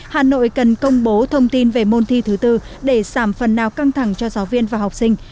hà nội cần công bố thông tin về môn thi thứ bốn để giảm phần nào căng thẳng cho giáo viên và học sinh